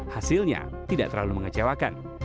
hasilnya tidak terlalu mengecewakan